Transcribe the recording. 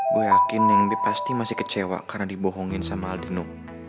gue yakin yang pasti masih kecewa karena dibohongin sama aldino